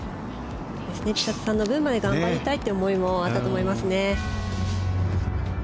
千怜さんの分まで頑張りたいという思いもあったと思いますね。